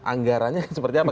anggaranya seperti apa